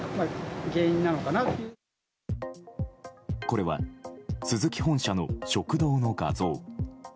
これはスズキ本社の食堂の画像。